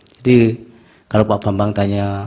jadi kalau pak bambang tanya